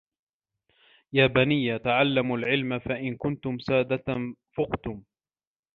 يَا بَنِيَّ تَعَلَّمُوا الْعِلْمَ فَإِنْ كُنْتُمْ سَادَةً فُقْتُمْ